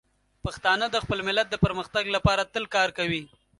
پښتانه د خپل ملت د پرمختګ لپاره تل کار کوي.